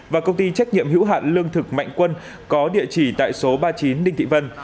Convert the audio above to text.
và công ty trách nhiệm hữu hạn lương thực mạnh quân có địa chỉ tại số ba mươi chín đinh thị vân